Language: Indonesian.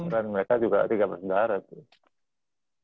kan mereka juga tiga bersaudara tuh